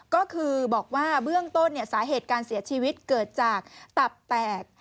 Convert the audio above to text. ก็คือบอกว่าเบื้องต้นสาเหตุการเสียชีวิตเกิดจากตับแตก